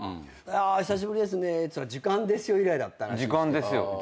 「久しぶりですね」って言ったら『時間ですよ』以来だって話して。